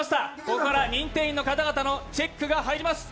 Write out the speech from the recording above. ここから認定員の方々のチェックが入ります。